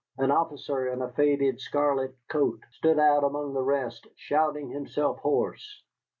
An officer in a faded scarlet coat stood out among the rest, shouting himself hoarse.